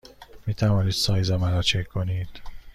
می توانید سایز مرا چک کنید؟